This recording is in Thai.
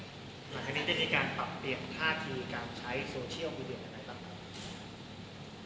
อาทิตย์จะได้การปรับเปลี่ยนท่าทีการใช้โซเชียลวิดีโอนไหนต่าง